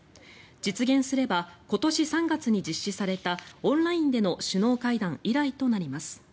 実現すれば今年３月に実施されたオンラインでの首脳会談以来となります。